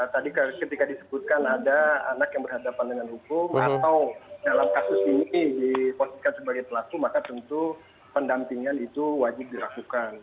tadi ketika disebutkan ada anak yang berhadapan dengan hukum atau dalam kasus ini dipositkan sebagai pelaku maka tentu pendampingan itu wajib dilakukan